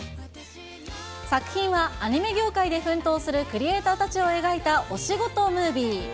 作品はアニメ業界で奮闘するクリエーターたちを描いたお仕事ムービー。